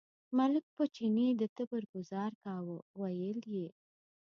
ملک په چیني د تبر ګوزار کاوه، ویل یې.